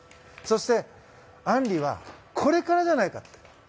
そして、あんりはこれからじゃないかと。